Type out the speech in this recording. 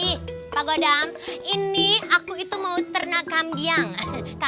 ihh pak gaudam ini aku itu mau ternak kambiang hehehe kambing maksudnya